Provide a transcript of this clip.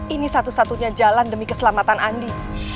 ini satu satunya jalan demi keselamatan andi